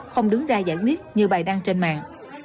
không đứng ra giải quyết như bài đăng trên mạng